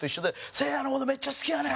「せいやの事めっちゃ好きやねん！」